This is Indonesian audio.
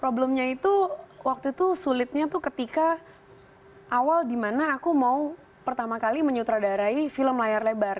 problemnya itu waktu itu sulitnya tuh ketika awal dimana aku mau pertama kali menyutradarai film layar lebar